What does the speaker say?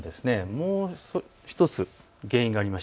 もう１つ原因があります。